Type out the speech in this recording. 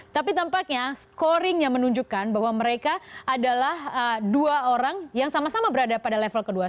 tapi tampaknya scoring yang menunjukkan bahwa mereka adalah dua orang yang sama sama berada pada level kedua